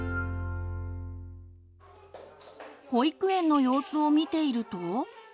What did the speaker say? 保育園の様子を見ていると。